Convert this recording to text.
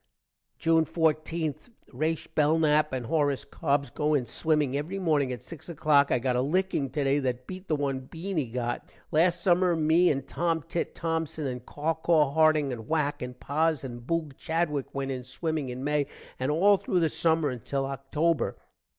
June 14. Rashe Belnap and Horris Cobbs go in swimming every morning at six o'clock. i got a licking today that beat the one Beany got. last summer me and Tomtit Tomson and Cawcaw Harding and Whack and Poz and Boog Chadwick went in swimming in May and all thru the summer until October.